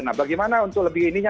nah bagaimana untuk lebih ininya